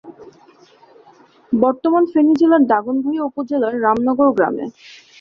বর্তমান ফেনী জেলার দাগনভূঞা উপজেলার রামনগর গ্রামে।